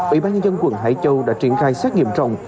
ủy ban nhân dân quận hải châu đã triển khai xét nghiệm trồng